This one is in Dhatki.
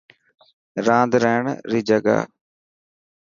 راند رهڻ ري جڳهه.